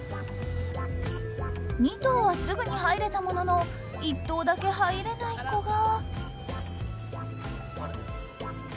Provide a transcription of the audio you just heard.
２頭はすぐに入れたものの１頭だけ入れない子が。